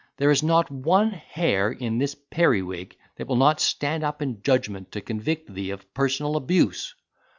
there is not one hair in this periwig that will not stand up in judgment to convict thee of personal abuse.